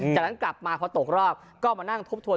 จากนั้นกลับมาพอตกรอบก็มานั่งทบทวน